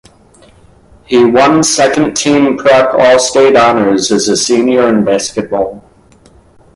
He won second team prep All-State honors as a senior in basketball.